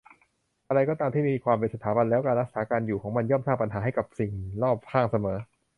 อะไรก็ตามที่มีความเป็นสถาบันแล้ว การรักษาการอยู่ของมันย่อมสร้างปัญหาให้กับสิ่งรอบข้างเสมอ